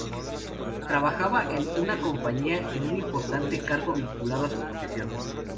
Trabajaba en una compañía en un importante cargo vinculado a su profesión.